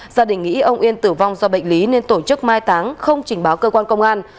gia đình nghĩ ông yên tử vong do bệnh lý nên tổ chức mai táng không trình báo cơ quan công an